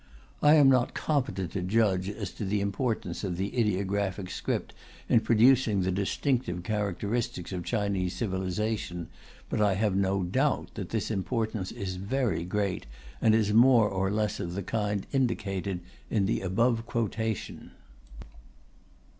I am not competent to judge as to the importance of the ideographic script in producing the distinctive characteristics of Chinese civilization, but I have no doubt that this importance is very great, and is more or less of the kind indicated in the above quotation.